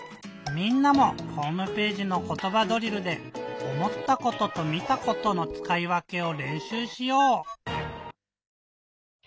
みんなもホームページの「ことばドリル」で「おもったこと」と「見たこと」のつかいわけをれんしゅうしよう。